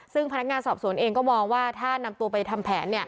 ซึ่งพนักงานสอบสวนเองก็มองว่าถ้านำตัวไปทำแผน